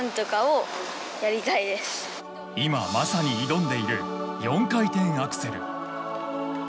今、まさに挑んでいる４回転アクセル。